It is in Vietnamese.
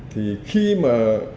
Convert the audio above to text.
thì khi mà